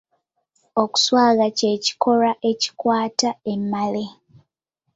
Okuswagga kye kikolwa eky’okukwata emmale.